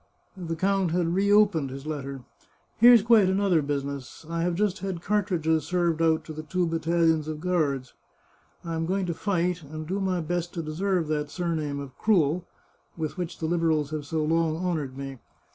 The count had reopened his letter: " Here's quite another business. I have just had car tridges served out to the two battalions of the guards. I am going to fight, and do my best to deserve that surname of ' Cruel ' with which the Liberals have so long honoured me.